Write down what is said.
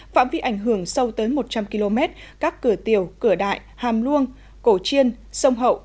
phạm vi ảnh hưởng sâu tới một trăm linh km các cửa tiểu cửa đại hàm luông cổ chiên sông hậu